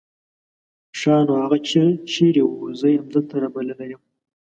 ښا نو هغه چېرته وو؟ زه يې همدلته رابللی يم.